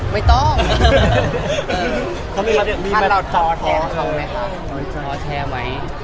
มีมาต่อท้อไหม